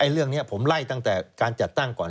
เรื่องนี้ผมไล่ตั้งแต่การจัดตั้งก่อน